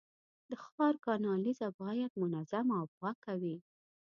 د ښار کانالیزه باید منظمه او پاکه وي.